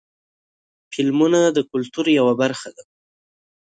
فلمونه د کلتور یوه برخه ده.